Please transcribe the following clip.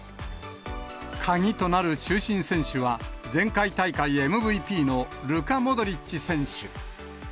鍵となる中心選手は、前回大会ＭＶＰのルカ・モドリッチ選手。